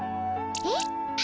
えっ？